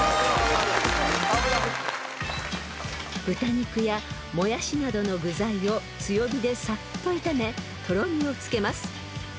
［豚肉やモヤシなどの具材を強火でさっと炒めとろみをつけます］